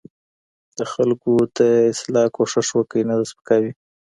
د خلکو د اصلاح کوشش وکړئ نه د سپکاوۍ.